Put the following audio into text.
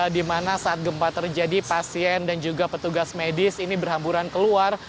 di mana saat gempa terjadi pasien dan juga petugas medis ini berhamburan keluar